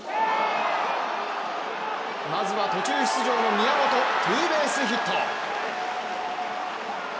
まずは途中出場の宮本ツーベースヒット。